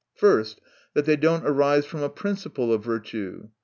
First, That they do not arise from a principle of virtue.